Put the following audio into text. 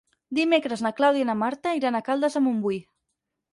Dimecres na Clàudia i na Marta iran a Caldes de Montbui.